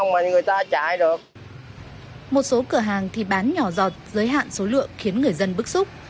một số cửa hàng thì bán nhỏ giọt giới hạn số lượng khiến người dân bức xúc